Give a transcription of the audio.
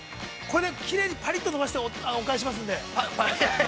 これできれいにパリッと伸ばしてお返ししますんで。